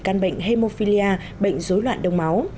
căn bệnh hemophilia bệnh dối loạn đông máu